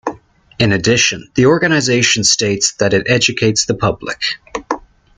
In addition, the organization states that it educates the public.